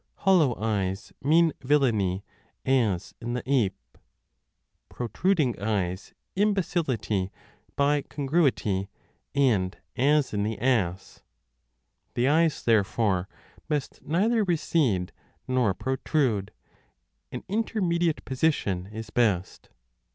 Hollow eyes mean villainy, as in the ape : protruding eyes, imbecility, by con 25 gruity and as in the ass. The eyes, therefore, must neither recede nor protrude : an intermediate position is best.